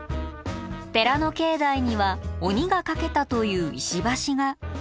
寺の境内には鬼が架けたという石橋が。